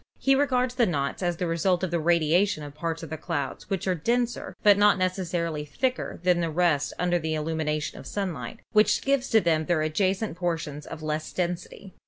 He regards the knots as the result of the radiation of parts of the clouds which are denser, but not necessarily thicker than the rest under the illumination of sunlight, which gives to them their adja cent portions of less density.